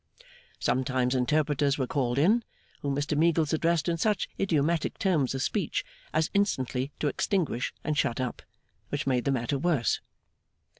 Sometimes interpreters were called in; whom Mr Meagles addressed in such idiomatic terms of speech, as instantly to extinguish and shut up which made the matter worse.